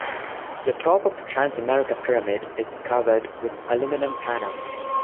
The top of the Transamerica Pyramid is covered with aluminum panels.